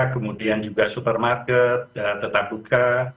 kemudian juga supermarket tetap buka